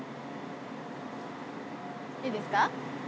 いいですか？